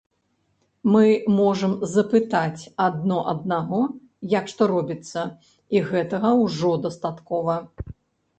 Мы можам запытаць адно аднаго, як што робіцца, і гэтага ўжо дастаткова.